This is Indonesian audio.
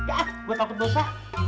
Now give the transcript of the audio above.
ah gue takut dosa